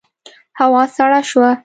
هوا سړه شوه.